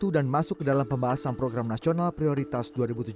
dan masuk ke dalam pembahasan program nasional prioritas dua ribu tujuh belas